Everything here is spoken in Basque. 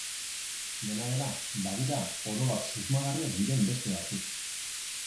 Dena dela, badira orobat susmagarriak diren beste batzuk.